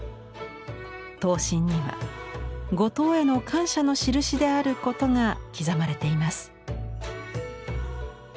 刀身には後藤への感謝のしるしであることが刻まれています。